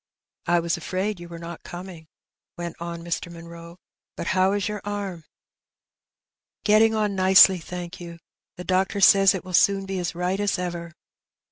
^^ I was afraid you were not coming," went on Mr. Munroe ;*^ but how is your arm ?"^^ Getting on nicely, thank you ; the doctor says it will soon be as right as ever."